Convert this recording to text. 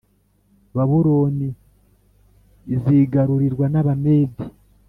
Babuloni izigarurirwa n Abamedi